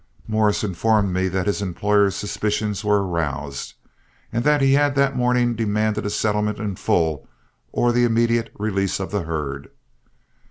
Morris informed me that his employer's suspicions were aroused, and that he had that morning demanded a settlement in full or the immediate release of the herd.